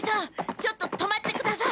ちょっと止まってください！